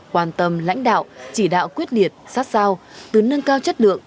quan tâm lãnh đạo chỉ đạo quyết liệt sát sao từ nâng cao chất lượng